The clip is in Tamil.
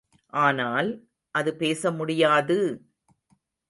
ஆனால், அது பேசமுடியாது!